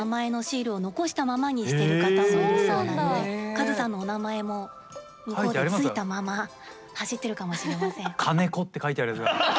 カズさんのお名前も向こうでついたまま走ってるかもしれません。